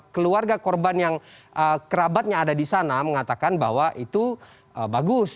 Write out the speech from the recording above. keluarga korban yang kerabatnya ada di sana mengatakan bahwa itu bagus